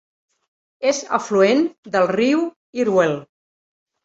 És afluent del riu Irwell.